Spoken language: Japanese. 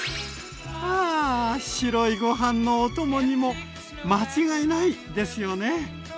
はあ白いご飯のお供にも間違いない！ですよね？